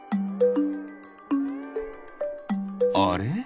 あれ？